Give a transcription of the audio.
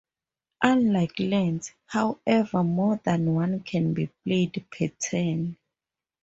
Unlike lands, however, more than one can be played per turn.